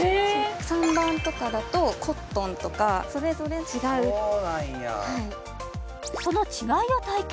３番とかだとコットンとかそれぞれ違うそうなんやその違いを体験